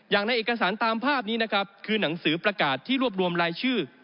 ในเอกสารตามภาพนี้นะครับคือหนังสือประกาศที่รวบรวมรายชื่อ